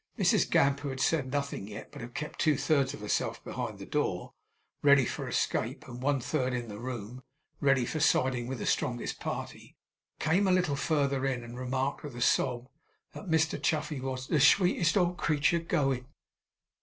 Mrs Gamp, who had said nothing yet; but had kept two thirds of herself behind the door, ready for escape, and one third in the room, ready for siding with the strongest party; came a little further in and remarked, with a sob, that Mr Chuffey was 'the sweetest old creetur goin'.